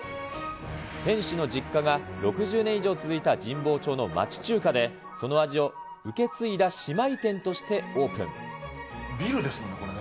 店主の実家が６０年以上続いた神保町の町中華で、その味を受け継ビルですね、これね。